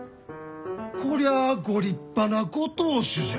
こりゃあご立派なご当主じゃ。